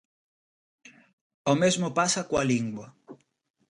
O mesmo pasa coa lingua.